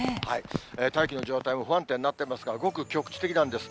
大気の状態も不安定になってますから、ごく局地的なんです。